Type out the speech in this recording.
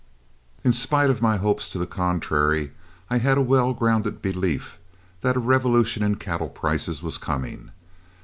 In spite of my hopes to the contrary, I had a well grounded belief that a revolution in cattle prices was coming.